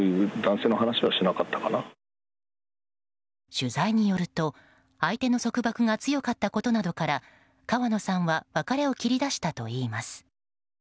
取材によると、相手の束縛が強かったことなどから川野さんは別れを切り出したといいます。